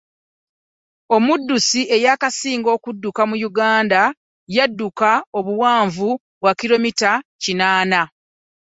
Omuddusi eyakasinga okudduka mu Uganda yadduka obuwanvu bwa kilomita kinaana.